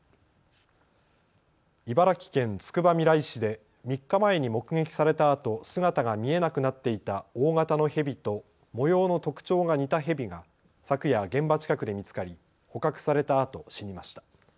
茨城県つくばみらい市で３日前に目撃されたあと姿が見えなくなっていた大型のヘビと模様の特徴が似たヘビが昨夜現場近くで見つかり捕獲されたあと死にました。